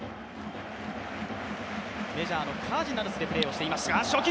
メジャーのカージナルスでプレーをしていました。